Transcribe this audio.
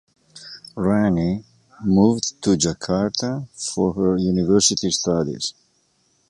Rani moved to Jakarta for her University studies.